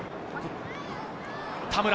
田村！